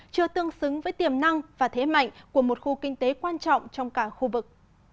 chưa tương xứng với tiềm năng và thế mạnh của một khu kinh tế quan trọng trong cả khu vực